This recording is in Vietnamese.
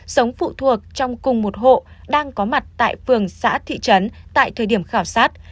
sống phụ thuộc trong cùng một hộ đang có mặt tại phường xã thị trấn tại thời điểm khảo sát